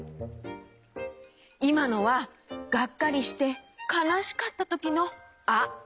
いまのはがっかりしてかなしかったときの「あ」！